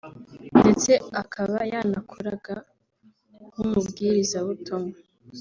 ndetse akaba yanakoraga nk’umubwirizabutumwa